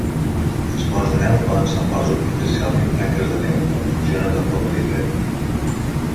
Els ponts de neu poden semblar superficialment tanques de neu, però funcionen de forma diferent.